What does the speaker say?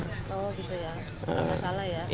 oh gitu ya gak masalah ya